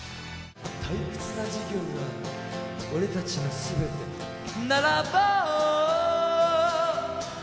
「退屈な授業が俺達の全てならば」